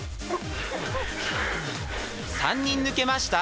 ３人抜けました。